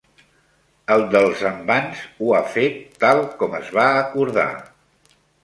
El dels envans ho ha fet tal com es va acordar.